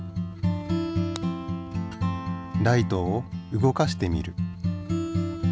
ライトを動かしてみる。